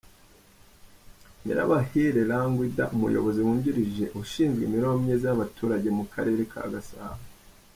Nyirabahire Languida umuyobozi wungirije ushinzwe imibereho myiza y'abaturage mu karere ka Gasabo .